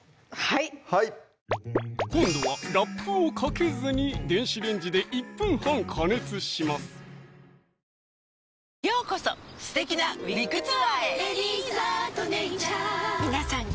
はい今度はラップをかけずに電子レンジで１分間半加熱しますさぁでは取ってきます